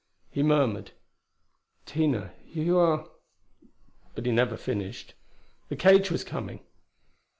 He murmured, "Tina, you are " But he never finished. The cage was coming!